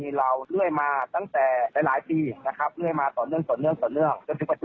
เพราะเป็นการกระทำความผิดต่อเนื่อง